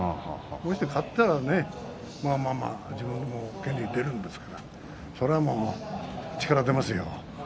勝ったらまあまあ自分の権利を手に入れるんですからそれは力、出ますよ。